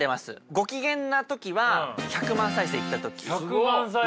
ご機嫌な時は１００万再生いった時。